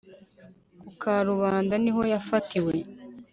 ku karubanda niho yafatiwe